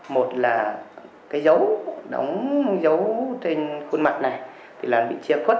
một là cái dấu đóng dấu trên khuôn mặt này thì là bị chia khuất quá phần ảnh